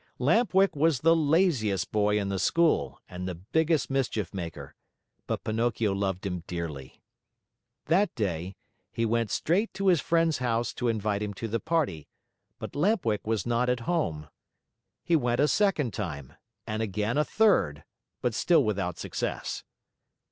Lamp Wick was the laziest boy in the school and the biggest mischief maker, but Pinocchio loved him dearly. That day, he went straight to his friend's house to invite him to the party, but Lamp Wick was not at home. He went a second time, and again a third, but still without success.